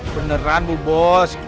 beneran bu bos